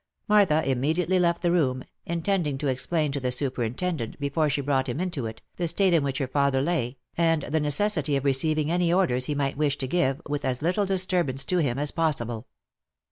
Martha immediately left the room, intending to explain to the superintendent, before she brought him into it, the state in which her father lay, and the necessity of receiving any orders he might wish to OF MICHAEL ARMSTRONG. 361 give, with as little disturbance to him as possible.